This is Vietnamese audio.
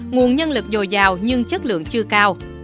nguồn nhân lực dồi dào nhưng chất lượng chưa cao